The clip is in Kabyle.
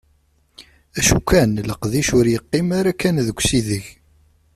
Acu kan, leqdic ur yeqqim ara kan deg usideg.